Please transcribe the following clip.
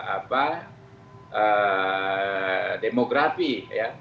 apa demografi ya